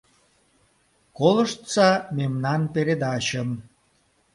Колыштса мемнан передачым!»